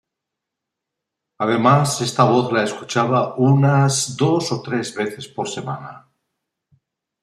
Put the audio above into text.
Además esta voz la escuchaba unas dos o tres veces por semana.